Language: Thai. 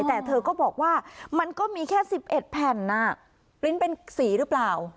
แต่เธอก็บอกว่ามันก็มีแค่๑๑แผ่นปริ้นต์เป็นสีหรือเปล่า